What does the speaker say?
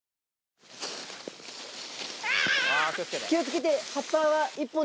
気をつけて。